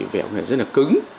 vẹo này rất là cứng